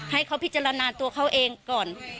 ให้เขาพิจารณาตัวเขาเองก่อน